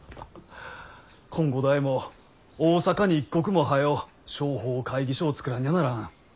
こん五代も大阪に一刻も早う商法会議所を作らんにゃならん。